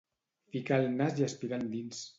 Ficar el nas i aspirar endins.